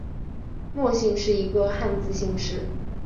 莫姓是一个汉字姓氏。